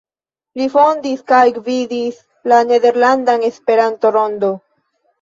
Li fondis kaj gvidis la "Nederlandan Esperanto-Rondon.